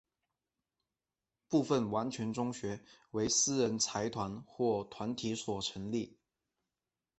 部分完全中学为私人财团或团体所成立。